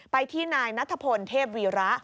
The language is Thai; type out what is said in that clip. ไปที่นายนัทพลเทพวีระ